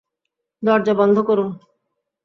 দরজা বন্ধ করুন!